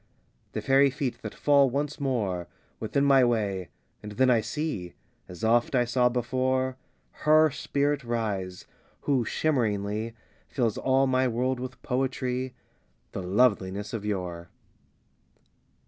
XII The faery feet that fall once more Within my way; and then I see, As oft I saw before, Her Spirit rise, who shimmeringly Fills all my world with poetry, The Loveliness of Yore.